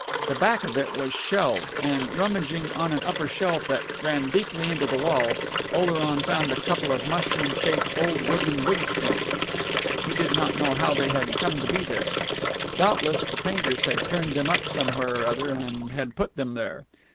The back of it was shelved, and, rummaging on an upper shelf that ran deeply into the wall, Oleron found a couple of mushroom shaped old wooden wig stands. He did not know how they had come to be there. Doubtless the painters had turned them up somewhere or other, and had put them there.